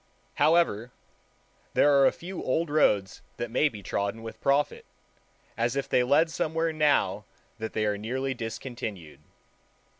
However, there are a few old roads that may be trodden with profit, as if they led somewhere now that they are nearly discontinued.